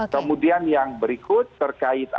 kemudian yang berikut terkait